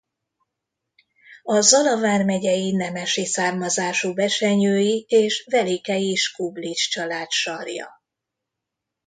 A Zala vármegyei nemesi származású besenyői és velikei Skublics család sarja.